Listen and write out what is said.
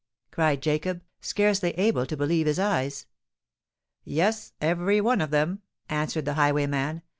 cried Jacob, scarcely able to believe his eyes. "Yes—every one of them," answered the highwayman.